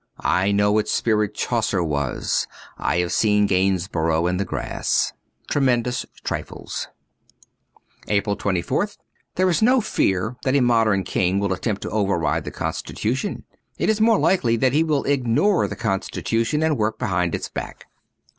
I know what spirit Chaucer was ; I have seen Gainsborough and the grass. * Tremendous Trifles. 123 APRIL 24th THERE is no fear that a modern king will attempt to override the constitution : it is more likely that he will ignore the constitution and work behind its back.